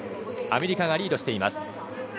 アメリカがリードしています。